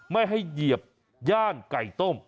ไม่ให้เหยียบย่านไก่ต้ม